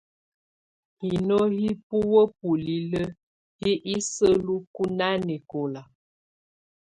Hino hi buwǝ́ bulilǝ́ yɛ́ isǝ́luku nanɛkɔla.